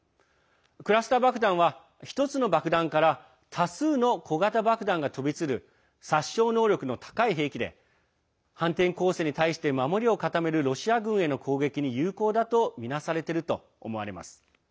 クラスター爆弾は１つの爆弾から多数の小型爆弾が飛び散る殺傷能力の高い兵器で反転攻勢に対して守りを固めるロシア軍への攻撃に有効だとみなされていると思われます。